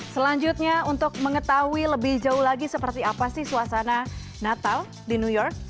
selanjutnya untuk mengetahui lebih jauh lagi seperti apa sih suasana natal di new york